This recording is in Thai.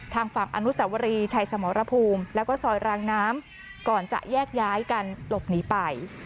ทางฝั่งอนุสวรีไทยสมรภูมิแล้วก็ซอยรางน้ำก่อนจะแยกย้ายกันหลบหนีไป